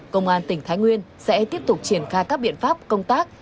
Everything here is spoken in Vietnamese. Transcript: công an tỉnh thái nguyên sẽ tiếp tục triển khai các biện pháp công tác